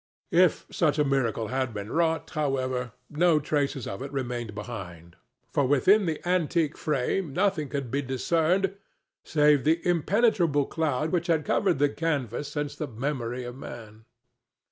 If such a miracle had been wrought, however, no traces of it remained behind; for within the antique frame nothing could be discerned save the impenetrable cloud which had covered the canvas since the memory of man.